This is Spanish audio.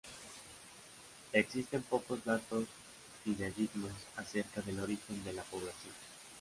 Existen pocos datos fidedignos acerca del origen de la población.